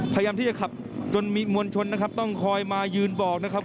พยายามที่จะขับจนมีมวลชนนะครับต้องคอยมายืนบอกนะครับ